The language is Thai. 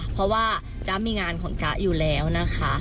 เพราะว่าจ๊ะมีงานของจ๊ะอยู่แล้วนะคะ